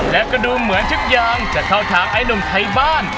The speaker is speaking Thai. และก็ดูเหมือนทุกอย่างจะเข้าทางไอ้หนุ่มไทยบ้าน